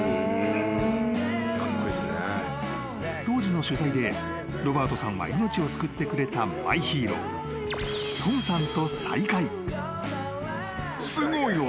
［当時の取材でロバートさんは命を救ってくれたマイヒーロートムさんと再会］